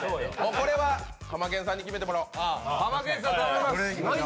これはハマケンさんに決めてもらおう。